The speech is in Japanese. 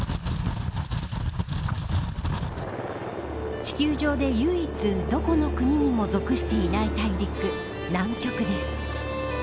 地球上で唯一どこの国にも属していない大陸南極です。